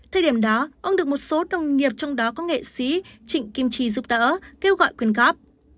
thời điểm đó ông được một số đồng nghiệp trong đó có nghệ sĩ trịnh kim chi giúp đỡ kêu gọi quyên góp